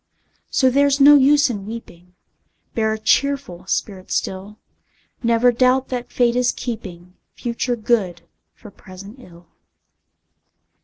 So there's no use in weeping, Bear a cheerful spirit still; Never doubt that Fate is keeping Future good for present ill!